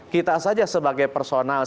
kita saja sebagai personal